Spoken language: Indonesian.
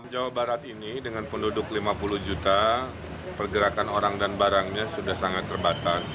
jawa barat ini dengan penduduk lima puluh juta pergerakan orang dan barangnya sudah sangat terbatas